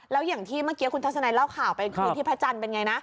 แล้วอย่างที่เมื่อกี้คุณทัศนัยเล่าข่าวไปคืนที่พระจันทร์เป็นไงนะ